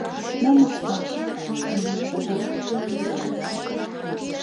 «Мом ышташ?» — шонен шога.